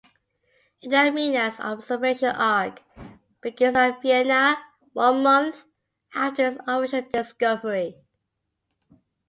"Aidamina"s observation arc begins at Vienna, one month after its official discovery.